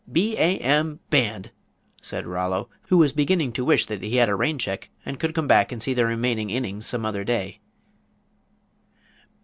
"B a m, band," said Rollo, who was beginning to wish that he had a rain check and could come back and see the remaining innings some other day.